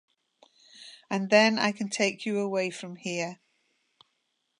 And then I can take you away from here.